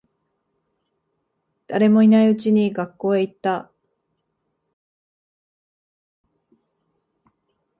誰もいないうちに学校へ行った。